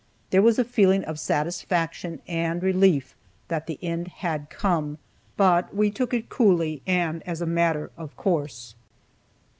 There was a feeling of satisfaction and relief that the end had come, but we took it coolly and as a matter of course.